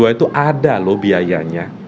itu ada loh biayanya